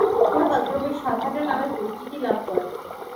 যাহা কালক্রমে সাঘাটা নামে পরিচিতি লাভ করে।